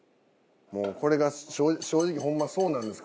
もうこれが正直ホンマそうなんです。